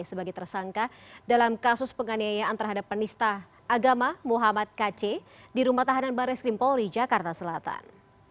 sebagai tersangka dalam kasus penganiayaan terhadap penista agama muhammad kc di rumah tahanan baris krim polri jakarta selatan